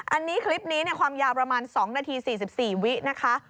อันนี้คลิปนี้ความยาวประมาณ๒นาที๔๔วินะคะ